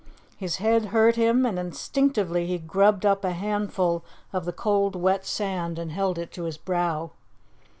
His head hurt him, and instinctively he grubbed up a handful of the cold, wet sand and held it to his brow.